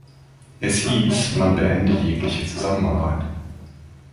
Es hieß, man beende jegliche Zusammenarbeit.